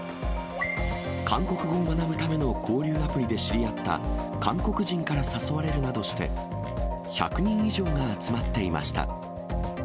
韓国語を学ぶための交流アプリで知り合った韓国人から誘われるなどして、１００人以上が集まっていました。